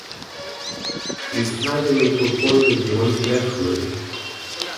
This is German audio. Sie ist Teil der Metropolregion Nashville.